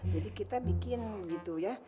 jadi kita bikin gitu ya